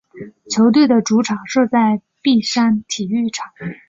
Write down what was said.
球队的主场设在碧山体育场。